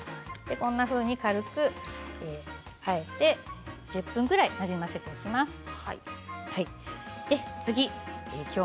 こんなふうに軽くあえて１０分ぐらいなじませておきます。